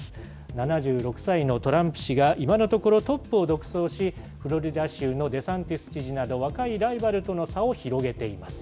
７６歳のトランプ氏が今のところ、トップを独走し、フロリダ州のデサンティス知事など、若いライバルとの差を広げています。